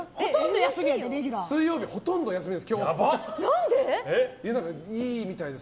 水曜日、ほとんど休みです。